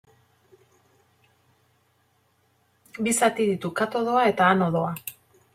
Bi zati ditu: katodoa eta anodoa.